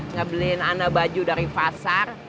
ngebeliin anak baju dari pasar